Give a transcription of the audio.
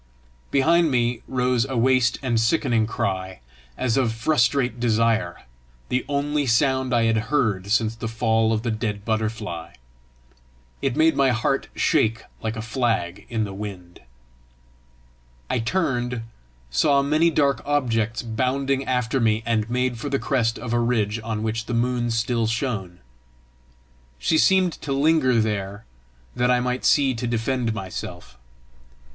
Behind me rose a waste and sickening cry, as of frustrate desire the only sound I had heard since the fall of the dead butterfly; it made my heart shake like a flag in the wind. I turned, saw many dark objects bounding after me, and made for the crest of a ridge on which the moon still shone. She seemed to linger there that I might see to defend myself.